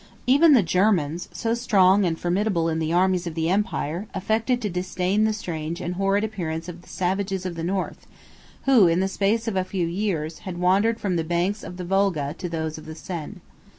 7 Even the Germans, so strong and formidable in the armies of the empire, affected to disdain the strange and horrid appearance of the savages of the North, who, in the space of a few years, had wandered from the banks of the Volga to those of the Seine.